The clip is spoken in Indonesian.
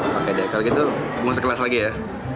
pake deh kalo gitu gue gausah kelas lagi ya